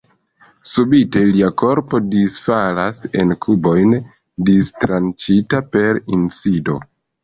Subite lia korpo disfalas en kubojn, distranĉita per insido.